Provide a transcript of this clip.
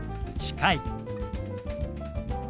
「近い」。